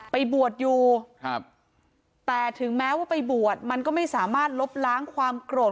ไปบวชอยู่ครับแต่ถึงแม้ว่าไปบวชมันก็ไม่สามารถลบล้างความโกรธ